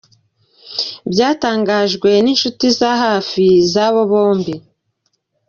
byatangajwe ninshuti za hafi zaba bombi.